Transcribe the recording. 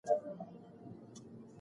هغه نجلۍ چې خیرات یې غوښت، ډېره وږې وه.